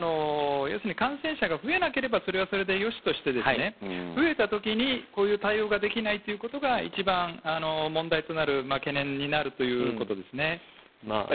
感染者が増えなければそれはそれでよしとして増えた時にこういう対応ができないということが一番、問題となる懸念となるということですね。